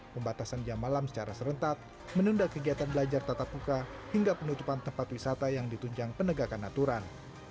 pembatasan jam malam secara serentak menunda kegiatan belajar tatap muka hingga penutupan tempat wisata yang ditunjang penegakan aturan